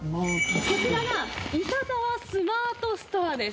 こちらが伊佐沢スマートストアです。